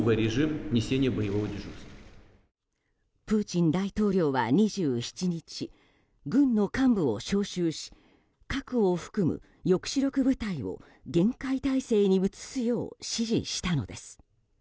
プーチン大統領は２７日軍の幹部を招集し核を含む抑止力部隊を厳戒態勢に移すよう指示したのです。